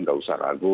tidak usah ragu